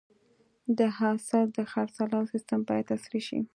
د حاصل د خرڅلاو سیستم باید عصري شي.